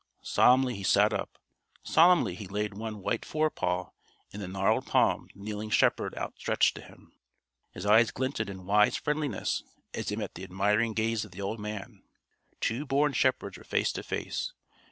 Solemnly he sat up. Solemnly he laid one white forepaw in the gnarled palm the kneeling shepherd outstretched to him. His eyes glinted in wise friendliness as they met the admiring gaze of the old man. Two born shepherds were face to face.